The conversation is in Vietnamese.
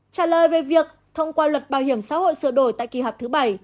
trả lời về việc thông qua luật bảo hiểm xã hội sửa đổi tại kỳ họp thứ bảy